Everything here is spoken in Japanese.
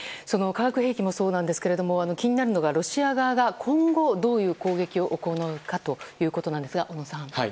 化学兵器もそうですが気になるのがロシア側が今後どういう攻撃を行うかということですが、小野さん。